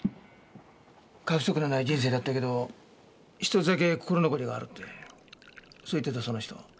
過不足のない人生だったけど一つだけ心残りがあるってそう言ってたその人。